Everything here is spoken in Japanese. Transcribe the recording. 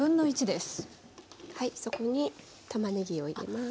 はいそこにたまねぎを入れます。